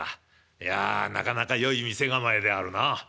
いやなかなかよい店構えであるな。